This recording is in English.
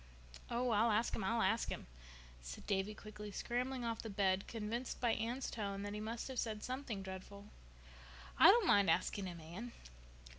"Oh—I'll ask Him—I'll ask Him," said Davy quickly, scrambling off the bed, convinced by Anne's tone that he must have said something dreadful. "I don't mind asking Him, Anne.